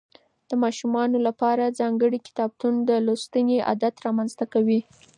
د ماشومانو لپاره ځانګړي کتابونه د لوستنې عادت رامنځته کوي.